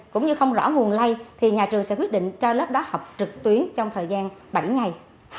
cũng như không rõ nguồn lây thì nhà trường sẽ quyết định cho lớp đó học trực tuyến trong thời gian bảy ngày